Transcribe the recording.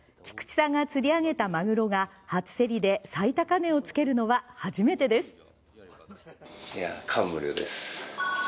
菊池さんが釣り上げたマグロが初競りで最高値をつけるのは初めてです。